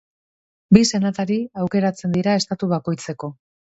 Bi senatari aukeratzen dira estatu bakoitzeko.